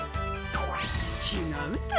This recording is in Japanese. ちがうて！